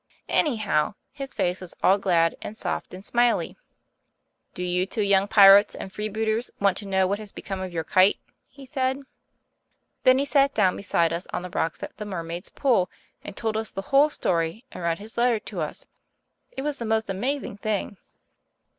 Anyhow, his face was all glad and soft and smiley. "Do you two young pirates and freebooters want to know what has become of your kite?" he said. Then he sat down beside us on the rocks at the Mermaid's Pool and told us the whole story, and read his letter to us. It was the most amazing thing.